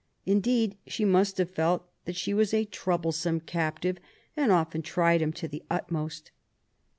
Indeed she must have felt that she was a troublesome captive and often tried him to the utmost.